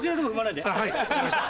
はい分かりました。